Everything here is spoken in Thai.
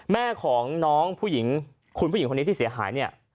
แม่ของน้องผู้หญิงคุณผู้หญิงคนนี้ที่เสียหายเนี่ย